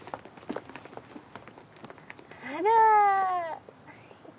あら。